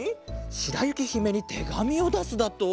しらゆきひめにてがみをだすだと？